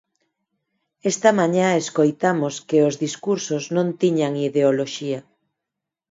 Esta mañá escoitamos que os discursos non tiñan ideoloxía.